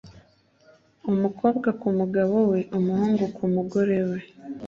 umukobwa ku mugabo we, umuhungu ku mugore we,